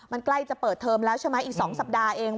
มันใกล้จะเปิดเทอมแล้วใช่ไหมอีก๒สัปดาห์เอง